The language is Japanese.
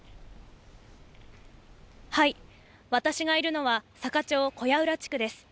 私がいるのは、坂町小屋浦地区です。